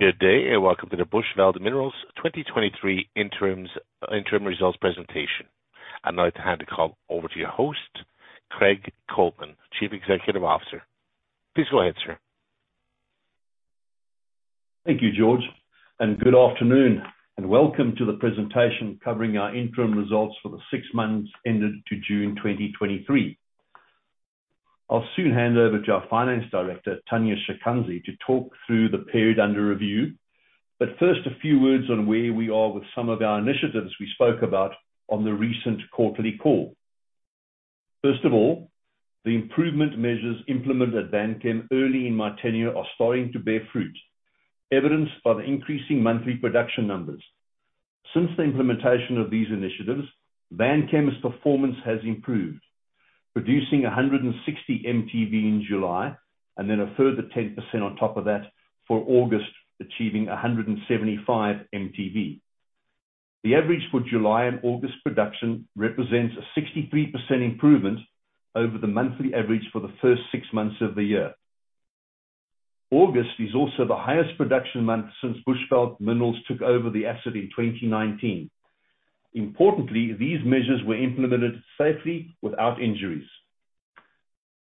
Good day, and welcome to the Bushveld Minerals 2023 interim results presentation. I'd now like to hand the call over to your host, Craig Coltman, Chief Executive Officer. Please go ahead, sir. Thank you, George, and good afternoon, and welcome to the presentation covering our interim results for the six months ended 30 June 2023. I'll soon hand over to our Finance Director, Tanya Chikanza, to talk through the period under review. First, a few words on where we are with some of our initiatives we spoke about on the recent quarterly call. First of all, the improvement measures implemented at Vanchem early in my tenure are starting to bear fruit, evidenced by the increasing monthly production numbers. Since the implementation of these initiatives, Vanchem's performance has improved, producing 160 MTV in July, and then a further 10% on top of that for August, achieving 175 MTV. The average for July and August production represents a 63% improvement over the monthly average for the first six months of the year. August is also the highest production month since Bushveld Minerals took over the asset in 2019. Importantly, these measures were implemented safely without injuries.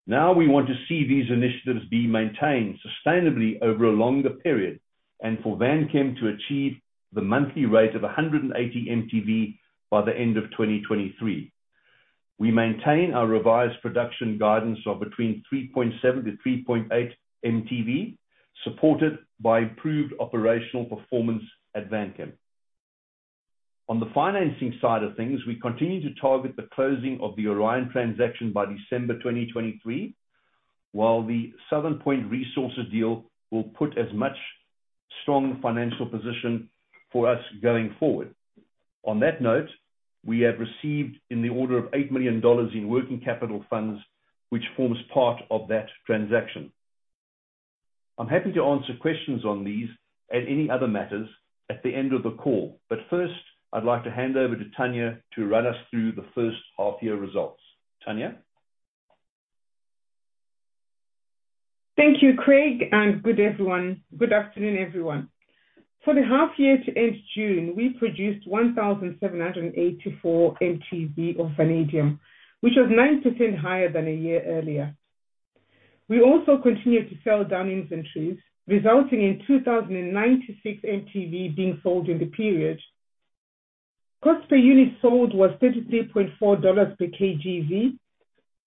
Now, we want to see these initiatives be maintained sustainably over a longer period, and for Vanchem to achieve the monthly rate of 180 MTV by the end of 2023. We maintain our revised production guidance of between 3.7-3.8 MTV, supported by improved operational performance at Vanchem. On the financing side of things, we continue to target the closing of the Orion transaction by December 2023, while the Southern Point Resources deal will put as much strong financial position for us going forward. On that note, we have received in the order of $8 million in working capital funds, which forms part of that transaction. I'm happy to answer questions on these and any other matters at the end of the call. But first, I'd like to hand over to Tanya to run us through the first half-year results. Tanya? Thank you, Craig. Good afternoon, everyone. For the half year to end June, we produced 1,784 MTV of vanadium, which was 9% higher than a year earlier. We also continued to sell down inventories, resulting in 2,096 MTV being sold in the period. Cost per unit sold was $33.4 per kgV.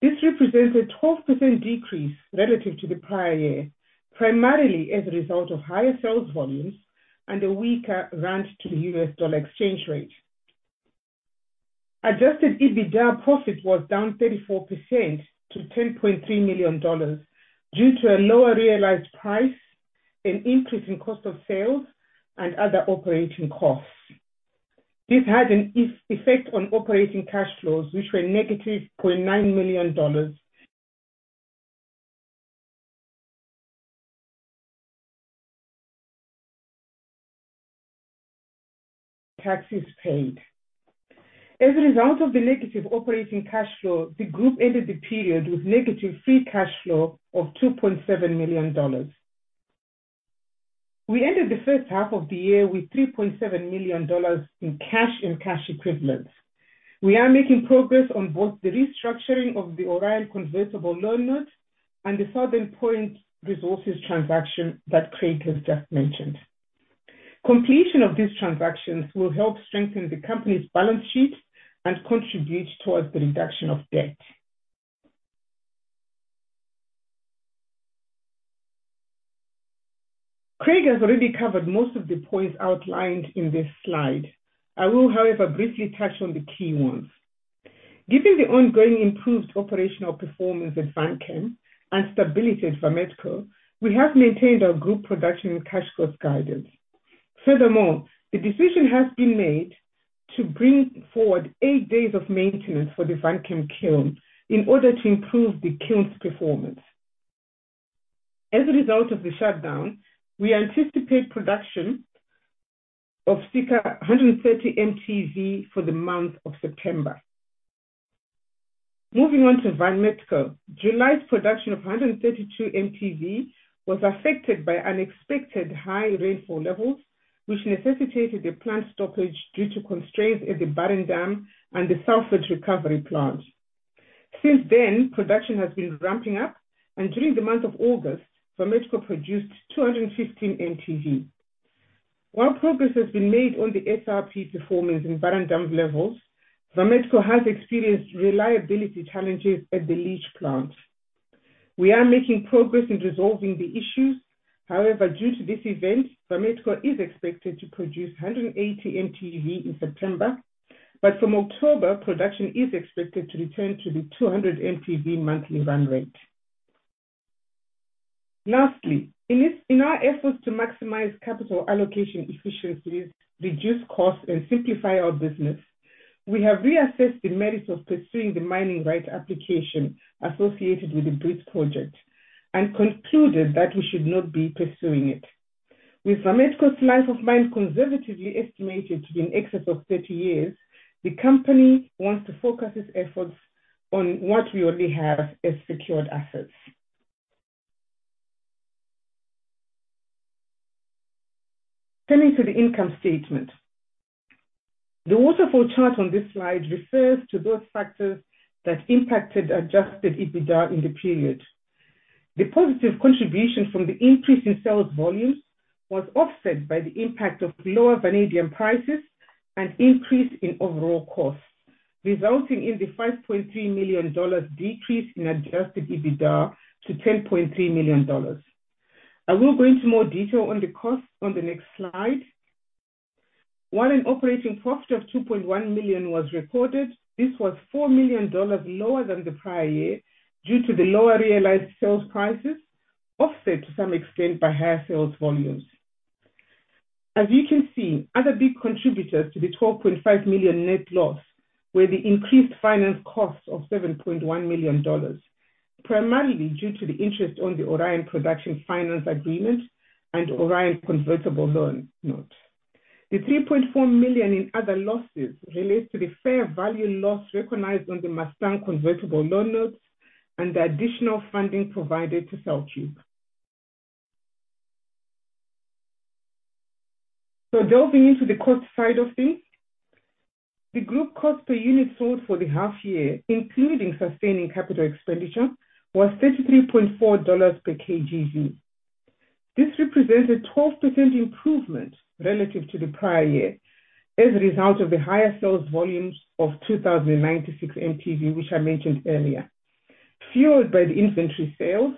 This represents a 12% decrease relative to the prior year, primarily as a result of higher sales volumes and a weaker rand to US dollar exchange rate. Adjusted EBITDA profit was down 34% to $10.3 million due to a lower realized price, an increase in cost of sales, and other operating costs. This had an effect on operating cash flows, which were negative $0.9 million, taxes paid. As a result of the negative operating cash flow, the group ended the period with negative free cash flow of $2.7 million. We ended the first half of the year with $3.7 million in cash and cash equivalents. We are making progress on both the restructuring of the Orion convertible loan note and the Southern Point Resources transaction that Craig has just mentioned. Completion of these transactions will help strengthen the company's balance sheet and contribute towards the reduction of debt. Craig has already covered most of the points outlined in this slide. I will, however, briefly touch on the key ones. Given the ongoing improved operational performance of Vanchem and stability at Vametco, we have maintained our group production and cash cost guidance. Furthermore, the decision has been made to bring forward 8 days of maintenance for the Vanchem kiln in order to improve the kiln's performance. As a result of the shutdown, we anticipate production of circa 130 MTV for the month of September. Moving on to Vametco. July's production of 132 MTV was affected by unexpected high rainfall levels, which necessitated a plant stoppage due to constraints at the Barren Dam and the Sulphur Recovery Plant. Since then, production has been ramping up, and during the month of August, Vametco produced 215 MTV. While progress has been made on the SRP performance in Barren Dam levels, Vametco has experienced reliability challenges at the Leach Plant. We are making progress in resolving the issues. However, due to this event, Vametco is expected to produce 180 MTV in September, but from October, production is expected to return to the 200 MTV monthly run rate. Lastly, in our efforts to maximize capital allocation efficiencies, reduce costs, and simplify our business, we have reassessed the merits of pursuing the mining right application associated with the Bridge Project and concluded that we should not be pursuing it. With Vametco's life of mine, conservatively estimated to be in excess of 30 years, the company wants to focus its efforts on what we already have as secured assets. Turning to the income statement. The waterfall chart on this slide refers to those factors that impacted adjusted EBITDA in the period. The positive contribution from the increase in sales volume was offset by the impact of lower vanadium prices and increase in overall costs, resulting in the $5.3 million decrease in Adjusted EBITDA to $10.3 million. I will go into more detail on the costs on the next slide. While an operating profit of $2.1 million was recorded, this was $4 million lower than the prior year, due to the lower realized sales prices, offset to some extent by higher sales volumes. As you can see, other big contributors to the $12.5 million net loss were the increased finance costs of $7.1 million, primarily due to the interest on the Orion production finance agreement and Orion convertible loan note. The $3.4 million in other losses relates to the fair value loss recognized on the Mustang convertible loan notes and the additional funding provided to CellCube. So delving into the cost side of things, the group cost per unit sold for the half year, including sustaining capital expenditure, was $33.4 per kgV. This represents a 12% improvement relative to the prior year, as a result of the higher sales volumes of 2,096 MTV, which I mentioned earlier. Fueled by the inventory sales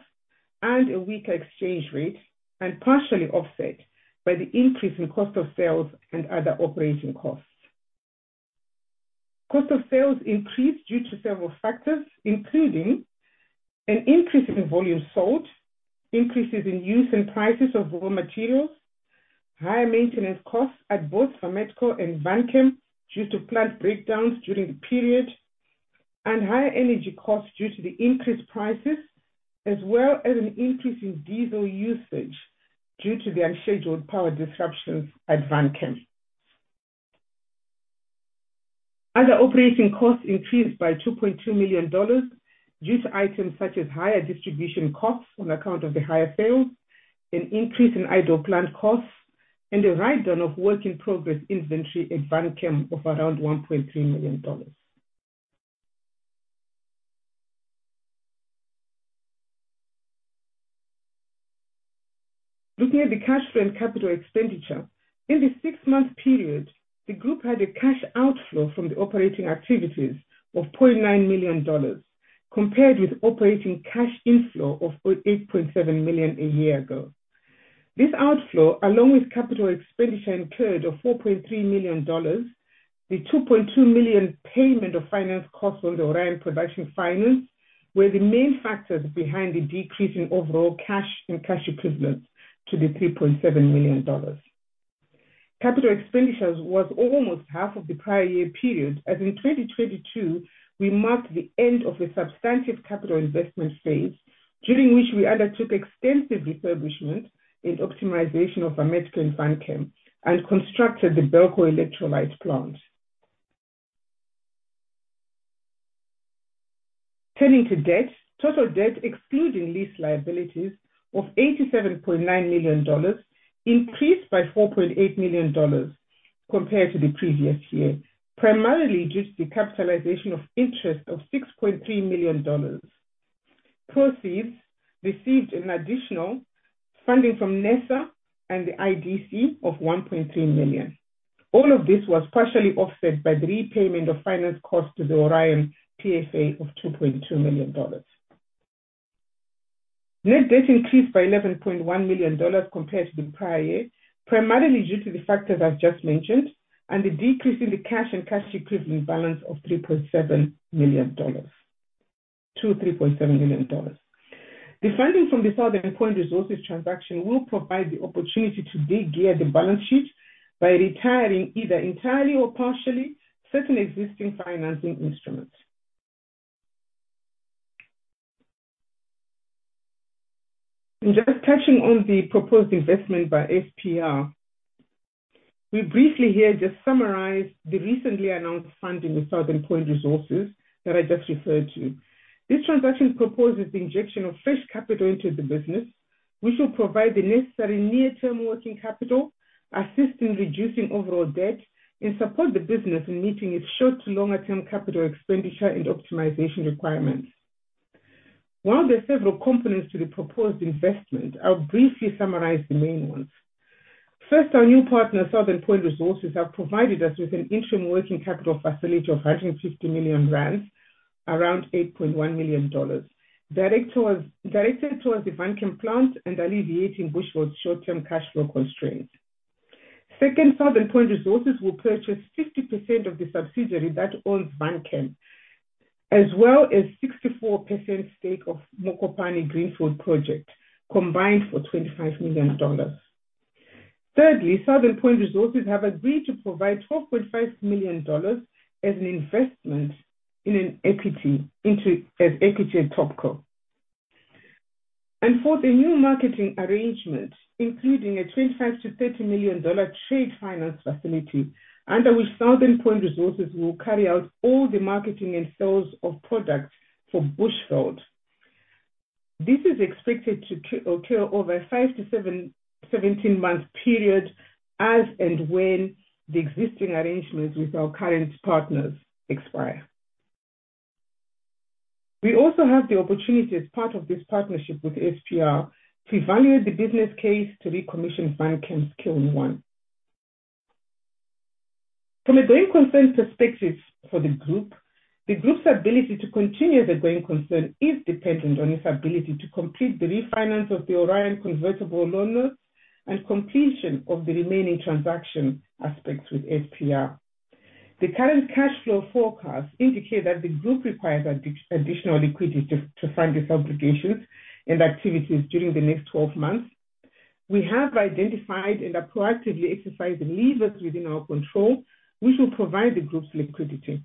and a weaker exchange rate, and partially offset by the increase in cost of sales and other operating costs. Cost of sales increased due to several factors, including an increase in volume sold, increases in use and prices of raw materials, higher maintenance costs at both Vametco and Vanchem, due to plant breakdowns during the period, and higher energy costs due to the increased prices, as well as an increase in diesel usage due to the unscheduled power disruptions at Vanchem. Other operating costs increased by $2.2 million due to items such as higher distribution costs on account of the higher sales, an increase in idle plant costs, and the write-down of work-in-progress inventory at Vanchem of around $1.3 million. Looking at the cash flow and capital expenditure. In the six-month period, the group had a cash outflow from the operating activities of $0.9 million, compared with operating cash inflow of eight point seven million a year ago. This outflow, along with capital expenditure incurred of $4.3 million, the $2.2 million payment of finance costs on the Orion production finance, were the main factors behind the decrease in overall cash and cash equivalents to the $3.7 million. Capital expenditures was almost half of the prior year period, as in 2022, we marked the end of a substantive capital investment phase, during which we undertook extensive refurbishment and optimization of Vametco and Vanchem, and constructed the Belco Electrolyte Plant. Turning to debt. Total debt, excluding lease liabilities of $87.9 million, increased by $4.8 million compared to the previous year, primarily due to the capitalization of interest of $6.3 million. Proceeds received an additional funding from NESA and the IDC of $1.3 million. All of this was partially offset by the repayment of finance costs to the Orion PFA of $2.2 million. Net debt increased by $11.1 million compared to the prior year, primarily due to the factors I've just mentioned, and the decrease in the cash and cash equivalent balance of $3.7 million.$2, $3.7 million. The funding from the Southern Point Resources transaction will provide the opportunity to de-gear the balance sheet by retiring, either entirely or partially, certain existing financing instruments. Just touching on the proposed investment by SPR. We briefly here just summarize the recently announced funding with Southern Point Resources that I just referred to. This transaction proposes the injection of fresh capital into the business, which will provide the necessary near-term working capital, assist in reducing overall debt, and support the business in meeting its short to longer-term capital expenditure and optimization requirements. While there are several components to the proposed investment, I'll briefly summarize the main ones. First, our new partner, Southern Point Resources, have provided us with an interim working capital facility of 150 million rand, around $8.1 million, directed towards the Vanchem plant and alleviating Bushveld's short-term cash flow constraints. Second, Southern Point Resources will purchase 60% of the subsidiary that owns Vanchem, as well as 64% stake of Mokopane Greenfield project, combined for $25 million. Thirdly, Southern Point Resources have agreed to provide $12.5 million as an investment in an equity into- as equity in Topco.... for the new marketing arrangement, including a $25-$30 million trade finance facility, under which Southern Point Resources will carry out all the marketing and sales of products from Bushveld. This is expected to occur over a 5- 17 month period, as and when the existing arrangements with our current partners expire. We also have the opportunity, as part of this partnership with SPR, to evaluate the business case to recommission Vanchem's Kiln One. From a going concern perspective for the group, the group's ability to continue as a going concern is dependent on its ability to complete the refinance of the Orion convertible loan note and completion of the remaining transaction aspects with SPR. The current cash flow forecast indicate that the group requires additional liquidity to fund its obligations and activities during the next 12 months. We have identified and are proactively exercising levers within our control, which will provide the group's liquidity.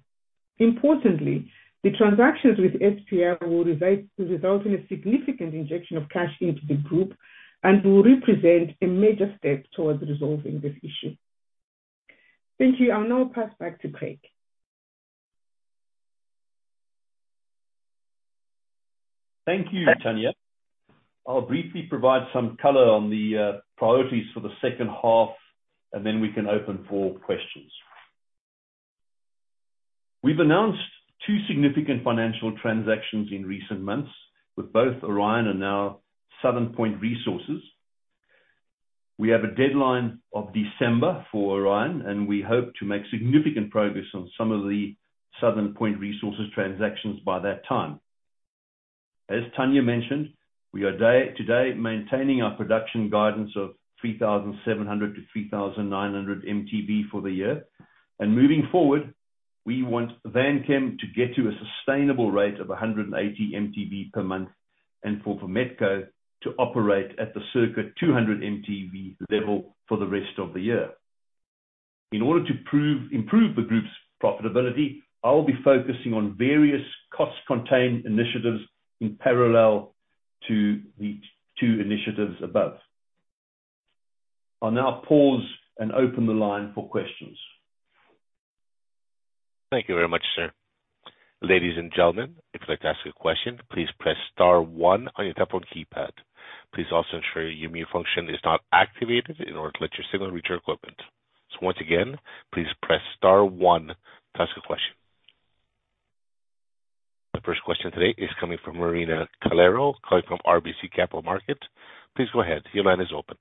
Importantly, the transactions with SPR will result in a significant injection of cash into the group and will represent a major step towards resolving this issue. Thank you. I'll now pass back to Craig. Thank you, Tanya. I'll briefly provide some color on the priorities for the second half, and then we can open for questions. We've announced two significant financial transactions in recent months with both Orion and now Southern Point Resources. We have a deadline of December for Orion, and we hope to make significant progress on some of the Southern Point Resources transactions by that time. As Tanya mentioned, we are today maintaining our production guidance of 3,700-3,900 MTV for the year, and moving forward, we want Vanchem to get to a sustainable rate of 180 MTV per month, and for Vametco to operate at the circuit 200 MTV level for the rest of the year. In order to improve the group's profitability, I will be focusing on various cost-containment initiatives in parallel to the two initiatives above. I'll now pause and open the line for questions. Thank you very much, sir. Ladies and gentlemen, if you'd like to ask a question, please press star one on your telephone keypad. Please also ensure your mute function is not activated in order to let your signal reach your equipment. So once again, please press star one to ask a question. The first question today is coming from Marina Calero, calling from RBC Capital Markets. Please go ahead. Your line is open.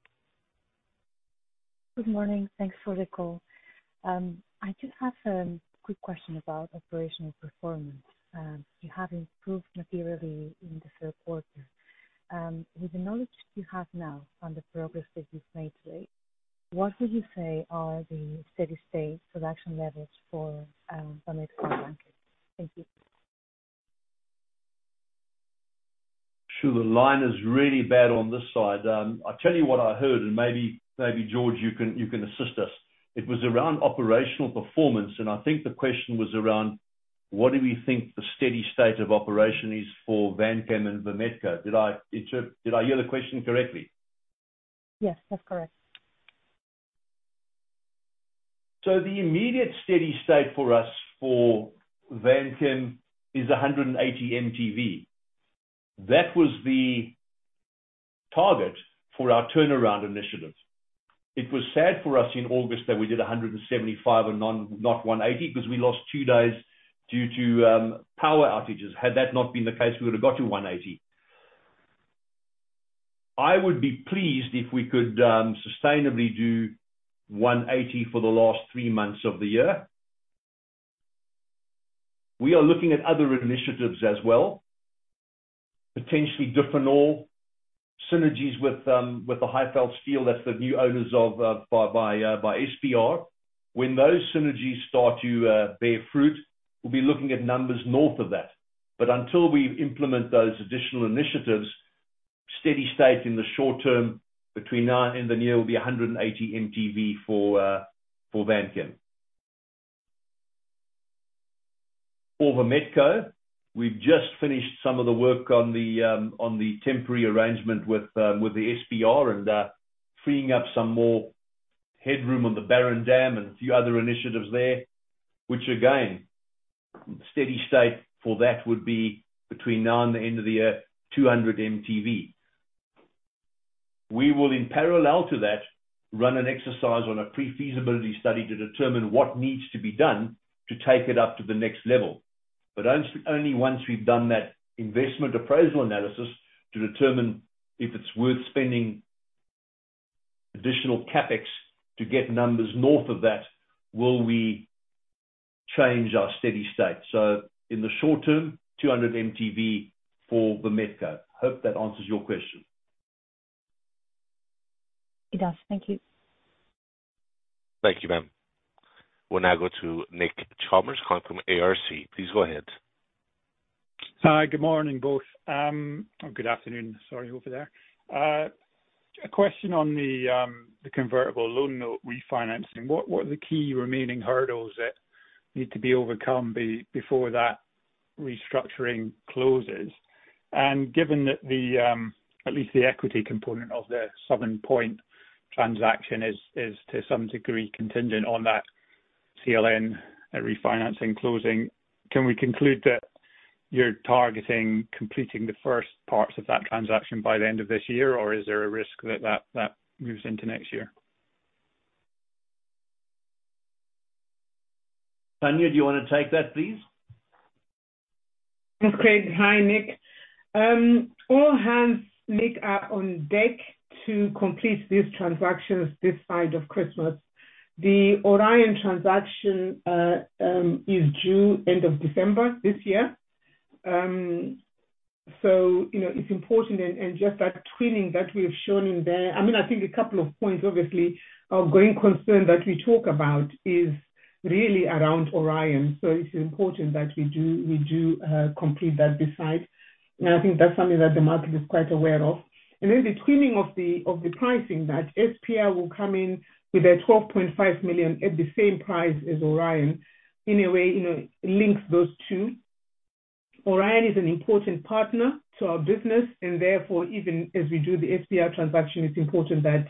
Good morning. Thanks for the call. I just have a quick question about operational performance. You have improved materially in the third quarter. With the knowledge you have now on the progress that you've made today, what would you say are the steady state production levels for Vametco? Thank you. Sure. The line is really bad on this side. I'll tell you what I heard, and maybe, George, you can assist us. It was around operational performance, and I think the question was around: What do we think the steady state of operation is for Vanchem and Vametco? Did I hear the question correctly? Yes, that's correct. So the immediate steady state for us for Vanchem is 180 MTV. That was the target for our turnaround initiative. It was sad for us in August that we did 175 and not 180, because we lost two days due to power outages. Had that not been the case, we would have got to 180. I would be pleased if we could sustainably do 180 for the last three months of the year. We are looking at other initiatives as well, potentially different ore synergies with the Highveld Steel, that's the new owners of by SPR. When those synergies start to bear fruit, we'll be looking at numbers north of that. But until we implement those additional initiatives, steady state in the short term, between now and the near, will be 180 MTV for Vanchem. For Vametco, we've just finished some of the work on the temporary arrangement with the SPR, and freeing up some more headroom on the Barren Dam and a few other initiatives there, which again, steady state for that would be between now and the end of the year, 200 MTV. We will, in parallel to that, run an exercise on a pre-feasibility study to determine what needs to be done to take it up to the next level. But once-only once we've done that investment appraisal analysis to determine if it's worth spending additional CapEx to get numbers north of that, will we change our steady state. So in the short term, 200 MTV for Vametco. Hope that answers your question. It does. Thank you. Thank you, ma'am. We'll now go to Nick Chalmers, calling from ARC. Please go ahead. Hi, good morning, both. Or good afternoon, sorry, over there. A question on the convertible loan note refinancing. What are the key remaining hurdles that need to be overcome before that restructuring closes? And given that at least the equity component of the Southern Point transaction is to some degree contingent on that CLN refinancing closing, can we conclude that you're targeting completing the first parts of that transaction by the end of this year? Or is there a risk that that moves into next year? Tanya, do you want to take that, please? That's great. Hi, Nick. All hands, Nick, are on deck to complete these transactions this side of Christmas. The Orion transaction is due end of December this year. So, you know, it's important and, and just that twinning that we've shown in there, I mean, I think a couple of points, obviously, our growing concern that we talk about is really around Orion, so it's important that we do, we do, complete that this side. And I think that's something that the market is quite aware of. And then the twinning of the, of the pricing, that SPR will come in with a $12.5 million at the same price as Orion, in a way, you know, links those two. Orion is an important partner to our business, and therefore, even as we do the SPR transaction, it's important that,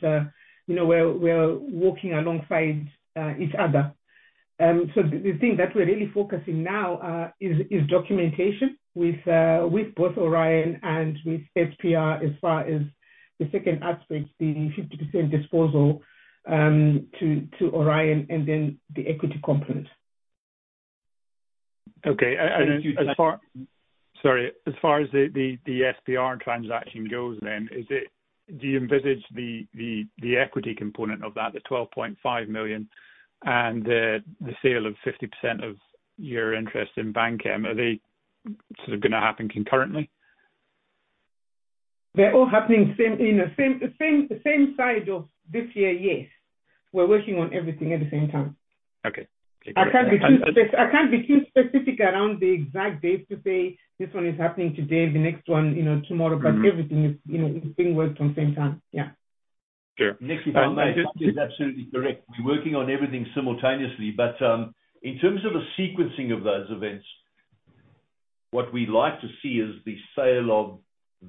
you know, we're working alongside each other. So the thing that we're really focusing now is documentation with both Orion and SPR, as far as the second aspect, the 50% disposal to Orion, and then the equity component. Okay. As far as the SPR transaction goes then, is it, do you envisage the equity component of that, the $12.5 million, and the sale of 50% of your interest in Vanchem, are they sort of going to happen concurrently? They're all happening same time, you know, same, same, same time this year, yes. We're working on everything at the same time. Okay. I can't be too specific around the exact dates to say this one is happening today, the next one, you know, tomorrow. Mm-hmm. Everything is, you know, is being worked on same time. Yeah. Sure. Next is absolutely correct. We're working on everything simultaneously, but in terms of the sequencing of those events, what we'd like to see is the sale of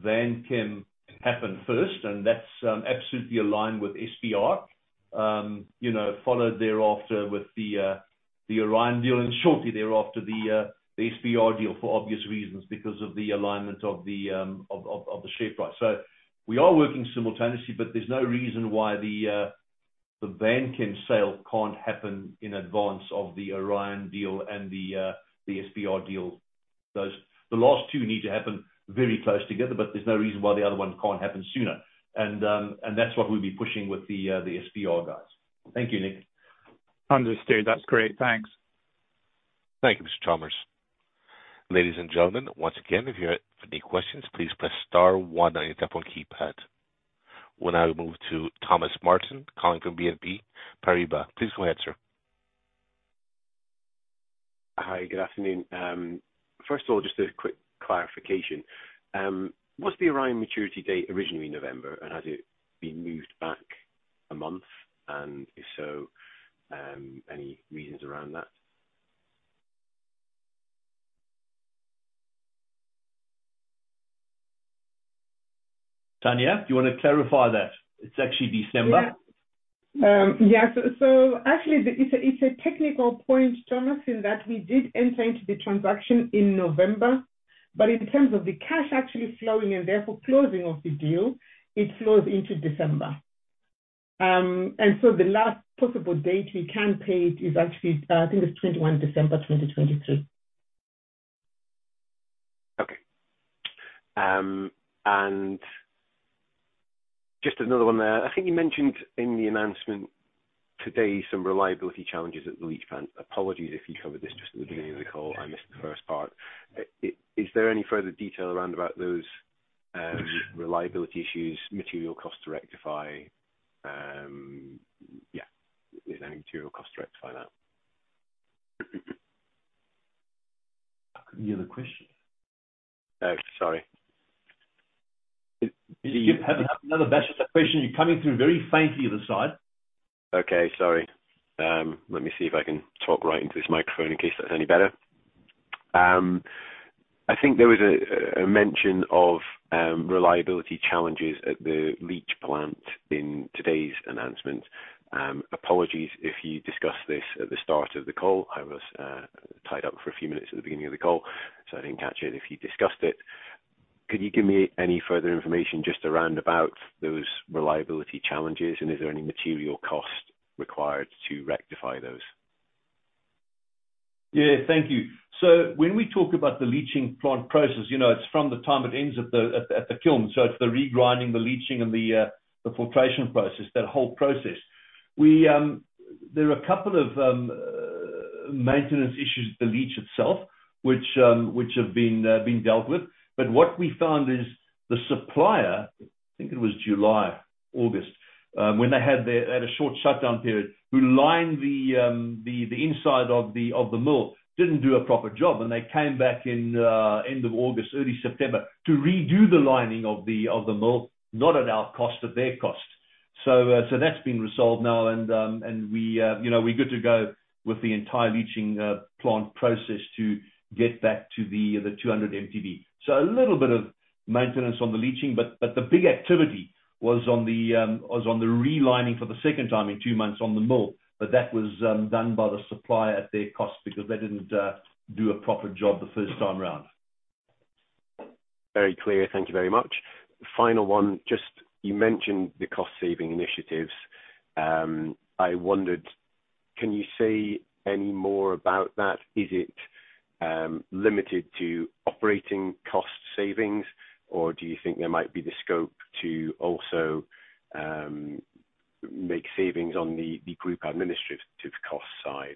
Vanchem happen first, and that's absolutely aligned with SPR. You know, followed thereafter with the Orion deal, and shortly thereafter, the SPR deal, for obvious reasons, because of the alignment of the share price. So we are working simultaneously, but there's no reason why the Vanchem sale can't happen in advance of the Orion deal and the SPR deal. Those. The last two need to happen very close together, but there's no reason why the other one can't happen sooner. And that's what we'll be pushing with the SPR guys. Thank you, Nick. Understood. That's great. Thanks. Thank you, Mr. Chalmers. Ladies and gentlemen, once again, if you have any questions, please press star one on your telephone keypad. We'll now move to Thomas Martin, calling from BNP Paribas. Please go ahead, sir. Hi, good afternoon. First of all, just a quick clarification. What's the Orion maturity date, originally November, and has it been moved back a month? And if so, any reasons around that? Tanya, do you want to clarify that? It's actually December. Yeah. Yeah, so actually it's a technical point, Thomas, in that we did enter into the transaction in November. But in terms of the cash actually flowing, and therefore closing of the deal, it flows into December. And so the last possible date we can pay it is actually, I think it's 21 December 2023. Okay. And just another one there. I think you mentioned in the announcement today some reliability challenges at the Leach Plant. Apologies if you covered this just at the beginning of the call. Yeah. I missed the first part. Is there any further detail around about those reliability issues, material costs to rectify? Yeah, is there any material cost to rectify that? I couldn't hear the question. Oh, sorry. Do you have another version of the question? You're coming through very faintly your side. Okay, sorry. Let me see if I can talk right into this microphone in case that's any better. I think there was a mention of reliability challenges at the Leach Plant in today's announcement. Apologies if you discussed this at the start of the call. I was tied up for a few minutes at the beginning of the call, so I didn't catch it if you discussed it. Could you give me any further information just around about those reliability challenges, and is there any material cost required to rectify those? Yeah, thank you. So when we talk about the leaching plant process, you know, it's from the time it ends at the kiln. So it's the regrinding, the leaching, and the filtration process, that whole process. There are a couple of maintenance issues with the leach itself, which have been dealt with. But what we found is the supplier, I think it was July, August, when they had their short shutdown period, who lined the inside of the mill, didn't do a proper job, and they came back in end of August, early September, to redo the lining of the mill, not at our cost, at their cost. So that's been resolved now and we, you know, we're good to go with the entire leaching plant process to get back to the 200 MTV. So a little bit of maintenance on the leaching, but the big activity was on the relining for the second time in 2 months on the mill. But that was done by the supplier at their cost because they didn't do a proper job the first time around. Very clear. Thank you very much. Final one, just you mentioned the cost saving initiatives. I wondered, can you say any more about that? Is it limited to operating cost savings, or do you think there might be the scope to also make savings on the group administrative cost side?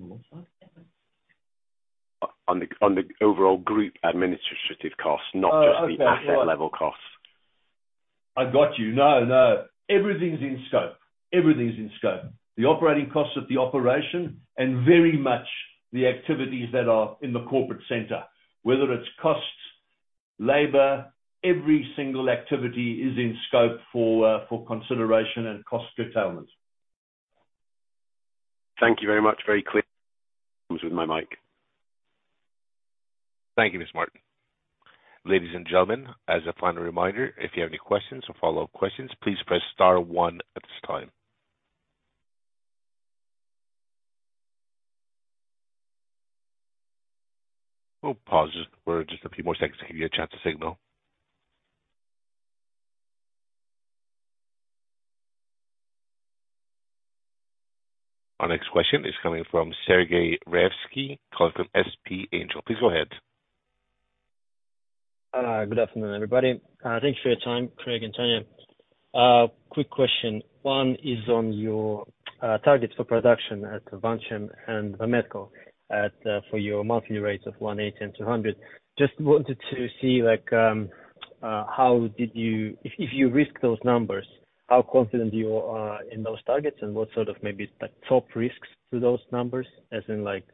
On what side? On the overall group administrative costs, not just. Oh, okay. The asset level costs. I got you. No, no. Everything's in scope. Everything's in scope. The operating costs of the operation, and very much the activities that are in the corporate center. Whether it's costs, labor, every single activity is in scope for for consideration and cost curtailment. Thank you very much. Very clear. With my mic. Thank you, Mr. Martin. Ladies and gentlemen, as a final reminder, if you have any questions or follow-up questions, please press star one at this time. We'll pause just for a few more seconds to give you a chance to signal. Our next question is coming from Sergei Ravski, call from SP Angel. Please go ahead. Good afternoon, everybody. Thank you for your time, Craig and Tanya. Quick question. One is on your target for production at Vanchem and Vametco at for your monthly rates of 180 and 200. Just wanted to see, like, how did you. If, if you risk those numbers, how confident you are in those targets, and what sort of maybe the top risks to those numbers, as in, like,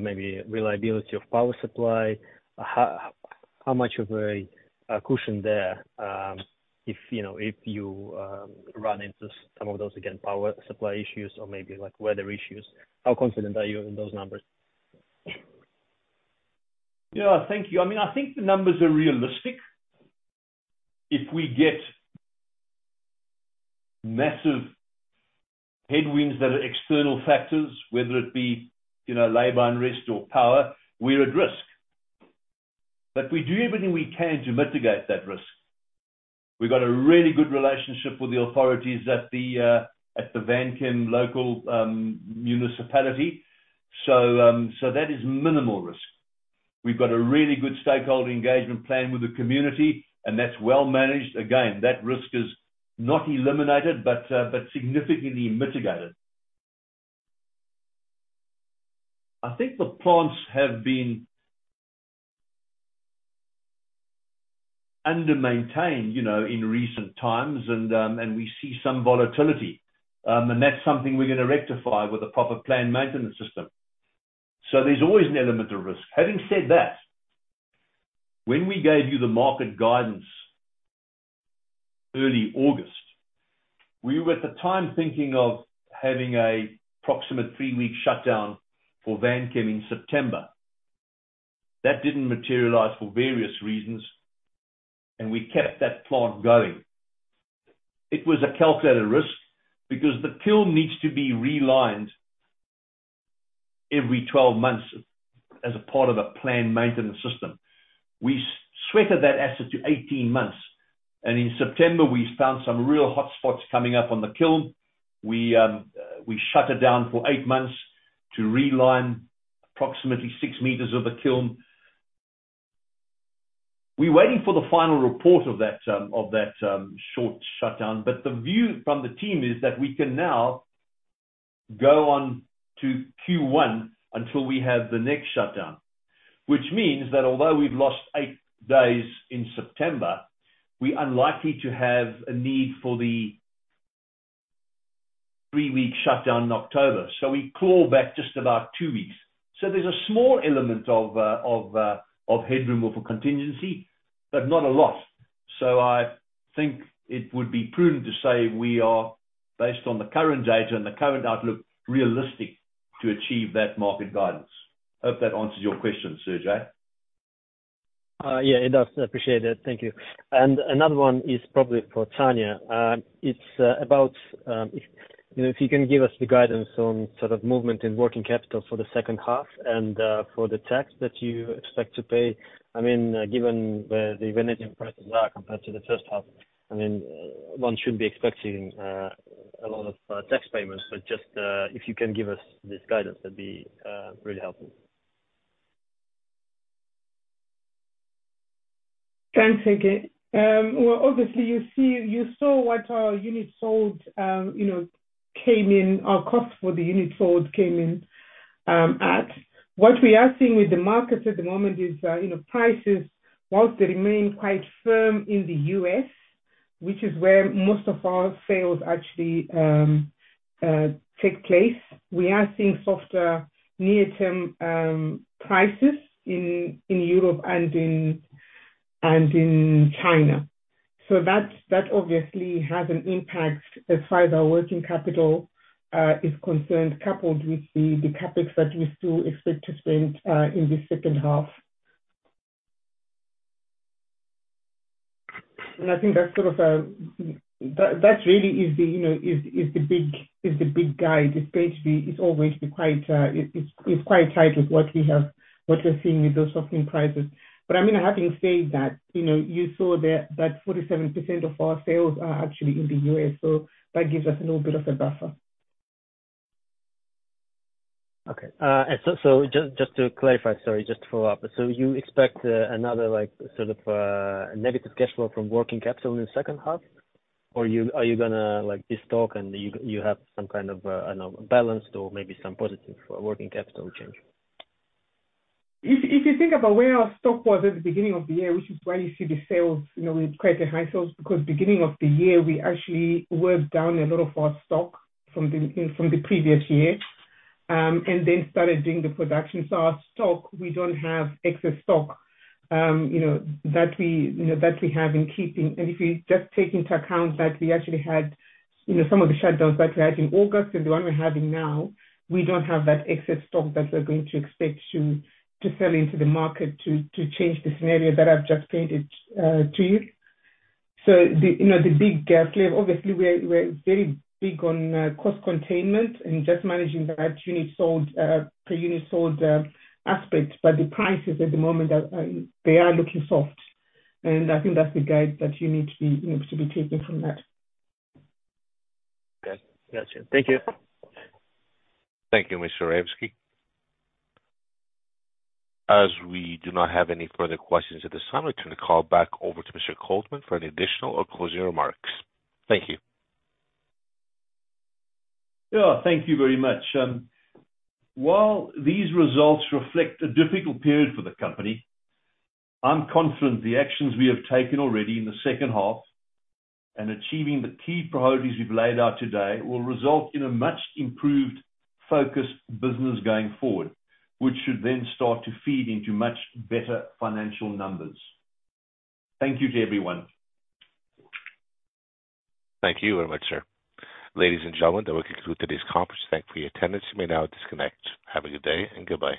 maybe reliability of power supply? How, how much of a cushion there, if, you know, if you run into some of those again, power supply issues or maybe, like, weather issues, how confident are you in those numbers? Yeah. Thank you. I mean, I think the numbers are realistic. If we get massive headwinds that are external factors, whether it be, you know, labor unrest or power, we're at risk. But we do everything we can to mitigate that risk. We've got a really good relationship with the authorities at the, at the Vanchem local municipality, so, so that is minimal risk. We've got a really good stakeholder engagement plan with the community, and that's well managed. Again, that risk is not eliminated, but, but significantly mitigated. I think the plants have been under-maintained, you know, in recent times and, and we see some volatility. And that's something we're going to rectify with a proper planned maintenance system. So there's always an element of risk. Having said that, when we gave you the market guidance early August, we were at the time thinking of having a approximate 3-week shutdown for Vanchem in September. That didn't materialize for various reasons, and we kept that plant going. It was a calculated risk because the kiln needs to be relined every 12 months as a part of a planned maintenance system. We sweated that asset to 18 months, and in September, we found some real hot spots coming up on the kiln. We shut it down for 8 months to reline approximately 6 meters of the kiln. We're waiting for the final report of that short shutdown, but the view from the team is that we can now go on to Q1 until we have the next shutdown. Which means that although we've lost eight days in September, we're unlikely to have a need for the three-week shutdown in October. So we claw back just about two weeks. So there's a small element of headroom or for contingency, but not a lot. So I think it would be prudent to say we are, based on the current data and the current outlook, realistic to achieve that market guidance. Hope that answers your question, Sergei. Yeah, it does. I appreciate it. Thank you. And another one is probably for Tanya. It's about, if, you know, if you can give us the guidance on sort of movement in working capital for the second half and, for the tax that you expect to pay. I mean, given the, the vanadium prices are compared to the first half, I mean, one shouldn't be expecting a lot of tax payments, but just if you can give us this guidance, that'd be really helpful. Thanks, Sergei. Well, obviously, you saw what our units sold came in, our cost for the units sold came in at. What we are seeing with the market at the moment is prices, whilst they remain quite firm in the U.S., which is where most of our sales actually take place, we are seeing softer near-term prices in Europe and in China. So that obviously has an impact as far as our working capital is concerned, coupled with the CapEx that we still expect to spend in the second half. I think that's sort of that really is the, you know, the big guide, which is going to be always quite tied with what we have, what we're seeing with those softening prices. But I mean, having said that, you know, you saw that 47% of our sales are actually in the US, so that gives us a little bit of a buffer. Okay. And just to clarify, sorry, just to follow up. So you expect another like sort of negative cash flow from working capital in the second half? Or you, are you going to like this talk, and you, you have some kind of, I know, balanced or maybe some positive working capital change? If you think about where our stock was at the beginning of the year, which is why you see the sales, you know, with quite a high sales, because beginning of the year, we actually worked down a lot of our stock from the previous year, and then started doing the production. So our stock, we don't have excess stock, you know, that we have in keeping. And if you just take into account that we actually had, you know, some of the shutdowns that we had in August and the one we're having now, we don't have that excess stock that we're going to expect to sell into the market to change the scenario that I've just painted to you. So, you know, the big clear, obviously, we're very big on cost containment and just managing that unit sold per unit sold aspect. But the prices at the moment are, they are looking soft, and I think that's the guide that you need to be, you know, to be taking from that. Okay. Got you. Thank you. Thank you, Mr. Ravski. As we do not have any further questions at this time, I turn the call back over to Mr. Coltman for any additional or closing remarks. Thank you. Yeah, thank you very much. While these results reflect a difficult period for the company, I'm confident the actions we have taken already in the second half, and achieving the key priorities we've laid out today, will result in a much improved, focused business going forward, which should then start to feed into much better financial numbers. Thank you to everyone. Thank you very much, sir. Ladies and gentlemen, that will conclude today's conference. Thank you for your attendance. You may now disconnect. Have a good day and goodbye.